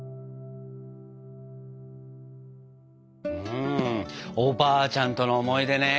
うんおばあちゃんとの思い出ね。